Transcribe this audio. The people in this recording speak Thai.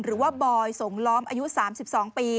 หรือว่าบอยสงล้อมอายุ๓๒ปี